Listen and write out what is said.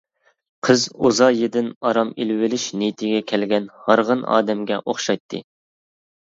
قىز ئوزايىدىن ئارام ئېلىۋېلىش نىيىتىگە كەلگەن ھارغىن ئادەمگە ئوخشايتتى.